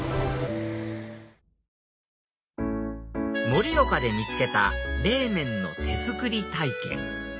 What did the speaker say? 盛岡で見つけた冷麺の手作り体験